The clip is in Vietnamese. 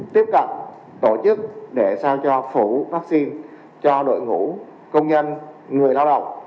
tiếp cận tổ chức để sao cho phủ vaccine cho đội ngũ công nhân người lao động